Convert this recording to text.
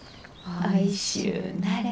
おいしゅうなれ。